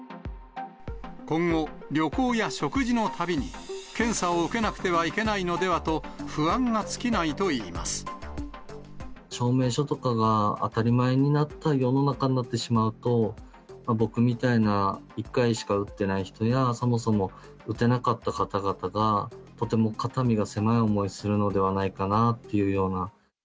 今後、旅行や食事のたびに検査を受けなくてはいけないのではと、不安が証明書とかが当たり前になった世の中になってしまうと、僕みたいな、１回しか打ってない人や、そもそも打てなかった方々が、とても肩身が狭い思いをするのではないかなっていうような。